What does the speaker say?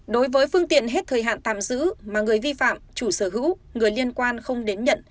đối với phương tiện hết thời hạn tạm giữ mà người vi phạm chủ sở hữu người liên quan không đến nhận